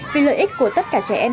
vì lợi ích của tất cả trẻ em